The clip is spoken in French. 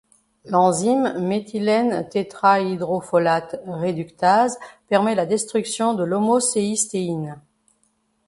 L'enzyme méthylènetétrahydrofolate réductase permet la destruction de l'homocystéine.